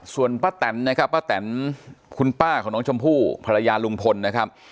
ส่วนป้าแตนนะครับป้าแตนคุณป้าของน้องชมพู่ภรรยาลุงพลนะครับ